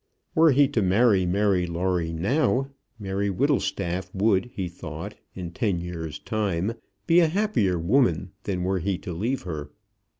Were he to marry Mary Lawrie now, Mary Whittlestaff would, he thought, in ten years' time, be a happier woman than were he to leave her.